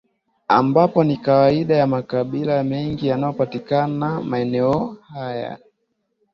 ambapo ni kawaida ya makabila mengi yanayopatikana maeneo haya